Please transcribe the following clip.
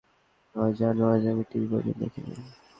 জানো, আজ আমি টিভি পর্যন্ত দেখি নি।